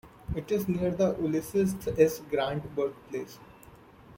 It is near the Ulysses S. Grant Birthplace.